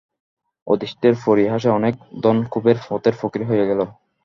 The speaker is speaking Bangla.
অদৃষ্টের পরিহাসে অনেক ধনকুবের পথের ফকির হয়ে গেল।